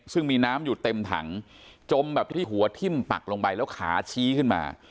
ซึ่งมีน้ำอยู่เต็มถังจมแบบที่หัวทิ้มปักลงไปแล้วขาชี้ขึ้นมา